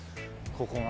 ここが。